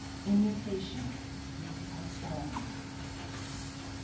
IN YOUR PATIENCE YE ARE STRONG.